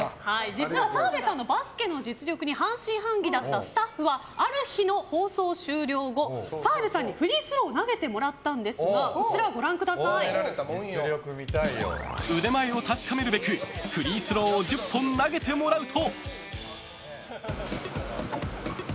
実は澤部さんの実力に半信半疑だったスタッフは、ある日の放送終了後澤部さんにフリースローを投げてもらったんですが腕前を確かめるべくフリースローを１０本投げてもらうと。